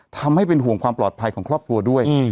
ทำให้เป็นห่วงความปลอดภัยของครอบครัวด้วย